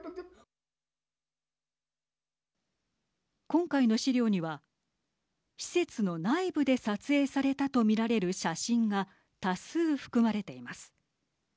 今回の資料には施設の内部で撮影されたとみられる写真が多数含まれています。